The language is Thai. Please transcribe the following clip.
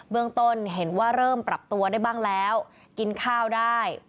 เมืองต้นเห็นว่าเริ่มปรับตัวได้บ้างแล้วกินข้าวได้